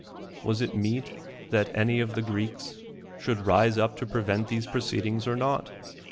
Was it meet that any of the Greeks should rise up to prevent these proceedings, or not?